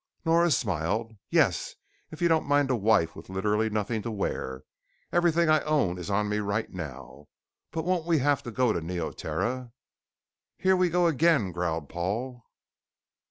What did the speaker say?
Nora smiled. "Yes. If you don't mind a wife with literally nothing to wear. Everything I own is on me right now. But won't we have to go to Neoterra?" "Here we go again," growled Paul.